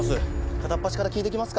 片っ端から聞いて行きますか？